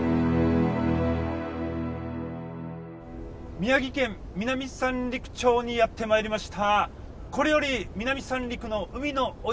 宮城県南三陸町にやって参りました。